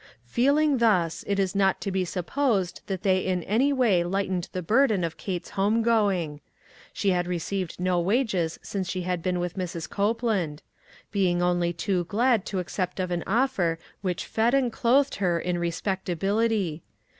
Feeling thus, it is not to be supposed that they in any way lightened the burden of Kate's home going. She had received no wages since she had been with Mrs. Copeland ; being only too glad to accept of an offer which "WHAT is THE USE?" 195 fed and clothed her in respectability.